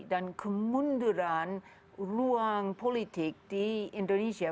dan kemunduran ruang politik di indonesia